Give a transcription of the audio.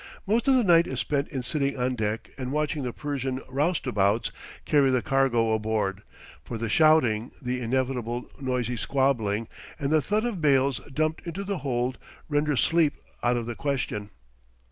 Most of the night is spent in sitting on deck and watching the Persian roustabouts carry the cargo aboard, for the shouting, the inevitable noisy squabbling, and the thud of bales dumped into the hold render sleep out of the question.